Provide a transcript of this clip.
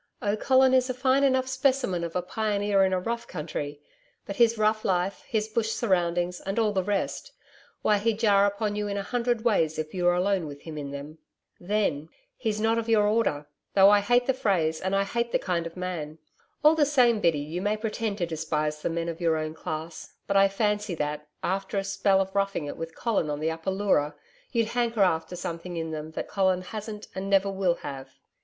Oh, Colin is a fine enough specimen of a pioneer in a rough country. But his rough life, his bush surroundings, and all the rest why, he'd jar upon you in a hundred ways if you were alone with him in them. Then he's not of your order though I hate the phrase and I hate the kind of man. All the same, Biddy, you may pretend to despise the men of your own class, but I fancy that, after a spell of roughing it with Colin on the Upper Leura, you'd hanker after something in them that Colin hasn't and never will have....